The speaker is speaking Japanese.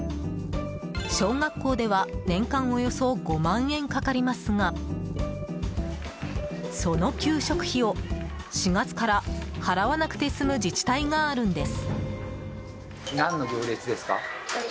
小学校では年間およそ５万円かかりますがその給食費を４月から払わなくて済む自治体があるんです。